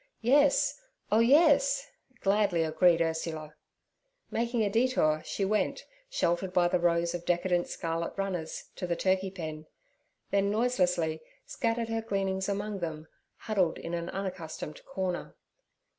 'Yes, oh yes' gladly agreed Ursula. Making a détour she went, sheltered by the rows of decadent scarlet runners, to the turkey pen; then noiselessly scattered her gleanings among them, huddled in an unaccustomed corner.